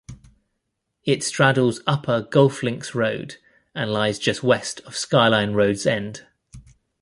It straddles upper Golf Links Road and lies just west of Skyline Road's end.